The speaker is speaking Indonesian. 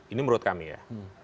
ini menurut kami ya